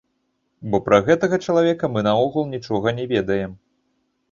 Бо пра гэтага чалавека мы наогул нічога не ведаем.